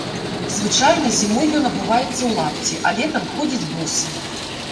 Звычайна зімой ён абуваецца ў лапці, а летам ходзіць босы.